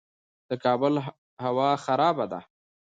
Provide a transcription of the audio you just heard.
د کابل هوا خرابه ده